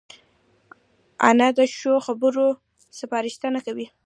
انا د ښو خبرو سپارښتنه کوي